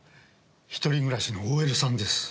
一人暮らしのＯＬさんです。